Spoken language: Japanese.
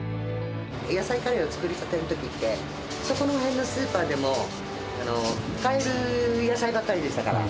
野菜カレーを作りたてのときって、そこら辺のスーパーでも買える野菜ばっかりでしたから。